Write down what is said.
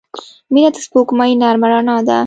• مینه د سپوږمۍ نرمه رڼا ده.